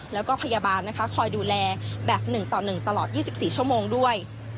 แล้วก็พยาบาลนะคะคอยดูแลแบบหนึ่งต่อหนึ่งตลอดยี่สิบสี่ชั่วโมงด้วย